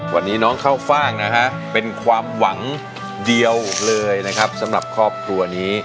วันนี้น้องเข้าฟ่างนะฮะเป็นความหวังเดียวเลยนะครับสำหรับครอบครัวนี้